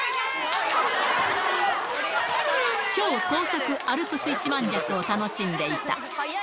超高速アルプス一万尺を楽しんでいた。